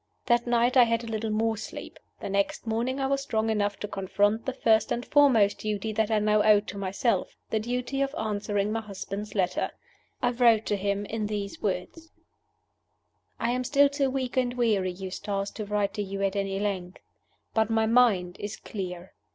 That night I had a little more sleep. The next morning I was strong enough to confront the first and foremost duty that I now owed to myself the duty of answering my husband's letter. I wrote to him in these words: "I am still too weak and weary, Eustace, to write to you at any length. But my mind is clear.